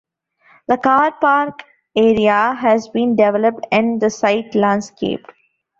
The car park area has been developed, and the site landscaped.